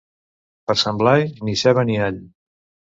Per Sant Blai, ni ceba ni all.